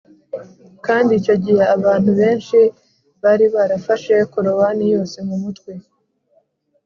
kandi icyo gihe abantu benshi bari barafashe korowani yose mu mutwe